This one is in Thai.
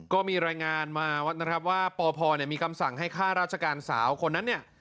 ก็มีรายงานมานะครับว่าปพมีคำสั่งให้ค่าราชการสาวคนนั้นเนี่ย